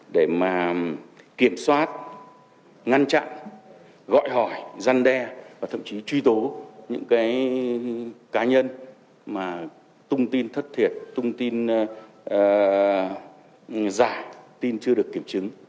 để mà kiểm soát ngăn chặn gọi hỏi gian đe và thậm chí truy tố những cái cá nhân mà tung tin thất thiệt tung tin giả tin chưa được kiểm chứng